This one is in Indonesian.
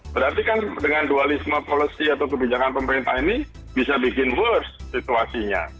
berarti kan dengan dualisme policy atau kebijakan pemerintah ini bisa bikin first situasinya